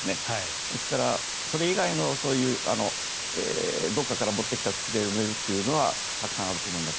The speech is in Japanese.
ですから、それ以外のどこかから持ってきた土で埋めるというのはたくさんあると思います。